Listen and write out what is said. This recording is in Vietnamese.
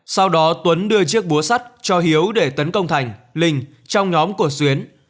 sau đó tuấn đưa chiếc búa sắt cho hiếu để tấn công thành linh trong nhóm của xuyến